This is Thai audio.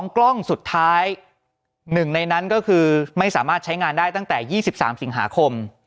กล้องสุดท้าย๑ในนั้นก็คือไม่สามารถใช้งานได้ตั้งแต่๒๓สิงหาคม